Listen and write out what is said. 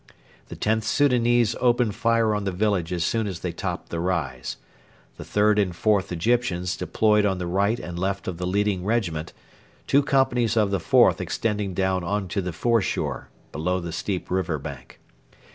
The Xth Soudanese opened fire on the village as soon as they topped the rise. The 3rd and 4th Egyptians deployed on the right and left of the leading regiment, two companies of the 4th extending down on to the foreshore below the steep river bank.